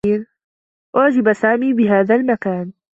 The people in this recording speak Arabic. أُعجب سامي بهذا المكان.